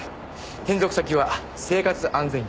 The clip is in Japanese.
転属先は生活安全局。